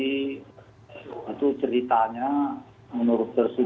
itu ceritanya menurut tersebut